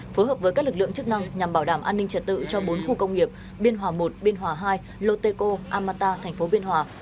phối hợp với các lực lượng chức năng nhằm bảo đảm an ninh trật tự cho bốn khu công nghiệp biên hòa i biên hòa ii lô tê cô amata tp biên hòa